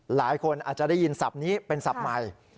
หลายคนอาจจะได้ยินศัพท์นี้เป็นศัพท์ใหม่